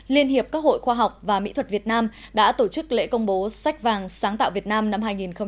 liên hiệp các hội khoa học và mỹ thuật việt nam đã tổ chức lễ công bố sách vàng sáng tạo việt nam năm hai nghìn một mươi chín